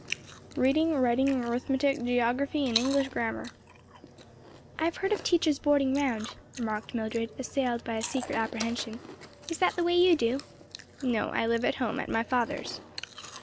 "Reading, writing, arithmetic, geography and English grammar." "I've heard of teachers boarding round," remarked Mildred, assailed by a secret apprehension; "is that the way you do?" "No; I live at home, at my father's."